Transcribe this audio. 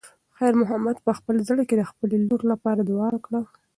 خیر محمد په خپل زړه کې د خپلې لور لپاره دعا وکړه.